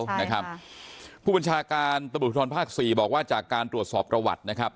นะครับผู้บัญชาการตำรวจภูทรภาคสี่บอกว่าจากการตรวจสอบประวัตินะครับ